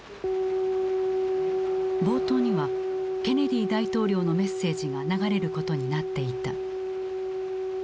冒頭にはケネディ大統領のメッセージが流れることになっていた。